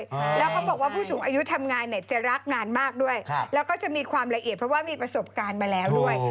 แล้วเขาบอกว่าผู้สูงอายุทำงานเนี่ยจะรักงานมากด้วยแล้วก็จะมีความละเอียดเพราะว่ามีประสบการณ์มาแล้วด้วย